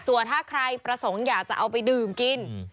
ส่วนถ้าใครประสงค์อยากจะเอาไปดื่มกิน